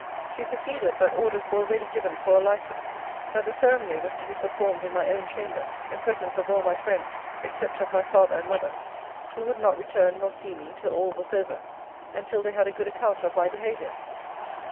She proceeded, that orders were already given for a license: that the ceremony was to be performed in my own chamber, in presence of all my friends, except of my father and mother; who would not return, nor see me, till all was over, and till they had a good account of my behaviour.